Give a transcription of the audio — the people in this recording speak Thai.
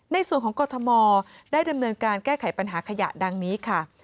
ในส่วนของกรทมได้ดำเนินการแก้ไขปัญหาขยะดังนี้ค่ะ